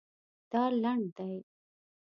دا لنډ دی